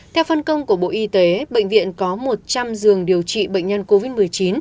theo phân công của bộ y tế bệnh viện có một trăm linh giường điều trị bệnh nhân covid một mươi chín